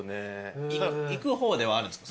行く方ではあるんですか？